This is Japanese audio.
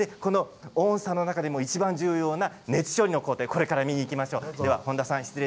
音さの中でもいちばん重要な熱処理の工程を見に行きましょう。